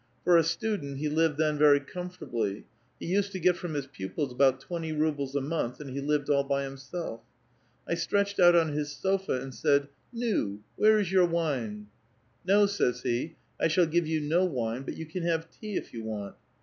For a student he lived tlien veiy comfortably ; he used to get from his pupils about twenty rubles a month, and he lived all by himself. I stretched out on his sofa,. and said;. ^ Nu^ where is your wine?' ' No,' says he, ' I shall give you no wine ; but you can have tea, if you want.'